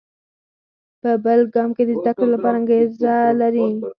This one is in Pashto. په بل ګام کې د زده کړو لپاره انګېزه لري.